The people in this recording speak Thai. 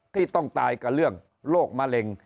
ที่ต้องตายกับเรื่องโรคมะเร็ง